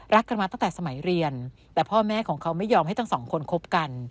กันมาตั้งแต่สมัยเรียนแต่พ่อแม่ของเขาไม่ยอมให้ทั้งสองคนคบกัน